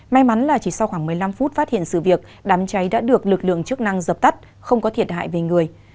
may mắn là chỉ sau khoảng một mươi năm phút phát hiện sự việc đám cháy đã được lực lượng chức năng dập tắt không có thiệt hại về người